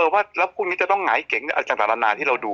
ว่าแล้วพวกนี้จะต้องหงายเก๋งจากหลานานที่เราดู